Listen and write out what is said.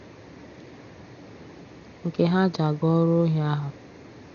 nke ha ji aga ọrụ ohi ahụ.